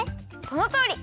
そのとおり！